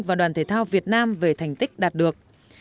và đoàn thể thao việt nam về thành tích đạt được